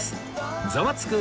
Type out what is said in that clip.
『ザワつく！